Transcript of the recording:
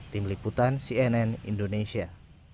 tim liputan cnn indonesia